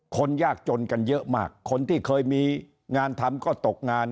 คนยากจนกันเยอะมากคนที่เคยมีงานทำก็ตกงาน